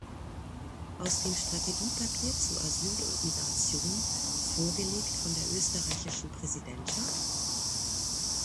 Aus dem Strategiepapier zu Asyl und Migration, vorgelegt von der österreichischen Präsidentschaft?